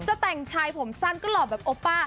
จะแต่งชายผมสั้นก็หล่อแบบโอป้า